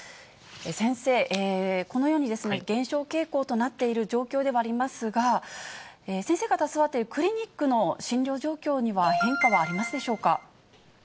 先生、このように減少傾向となっている状況ではありますが、先生が携わっているクリニックの診療状況には変化はありますでしょうか。